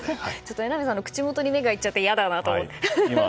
榎並さんの口元に目がいっちゃって嫌だなって。